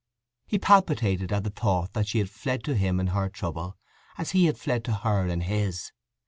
He palpitated at the thought that she had fled to him in her trouble as he had fled to her in his.